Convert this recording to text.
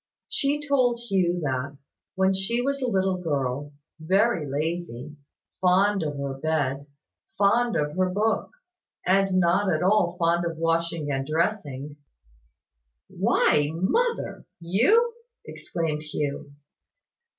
She told Hugh that, when she was a little girl, very lazy fond of her bed fond of her book and not at all fond of washing and dressing "Why, mother, you!" exclaimed Hugh.